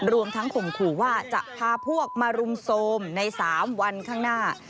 รวมทั้งข่มขู่ว่าจะพาพวกมารุมโทรมใน๓วันข้างหน้า